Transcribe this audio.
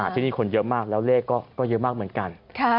ที่นี่คนเยอะมากแล้วเลขก็เยอะมากเหมือนกัน